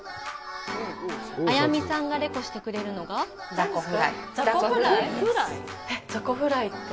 文美さんがレコしてくれるのがえっ、ザコフライって？